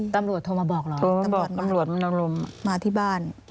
ตำรวจโทรมาบอกเหรอตำรวจมันอารมณ์มาที่บ้าน